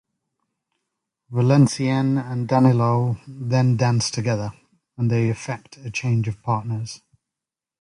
Valencienne and Danilo then dance together, and they effect a change of partners.